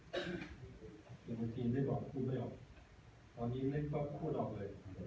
อย่างเมื่อกี้ไม่บอกพูดไม่ออกตอนนี้ไม่ก็พูดออกเลย